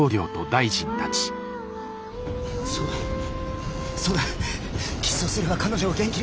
そうだそうだキスをすれば彼女を元気に。